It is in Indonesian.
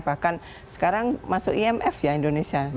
bahkan sekarang masuk imf ya indonesia